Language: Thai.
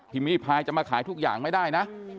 มิพายจะมาขายทุกอย่างไม่ได้นะ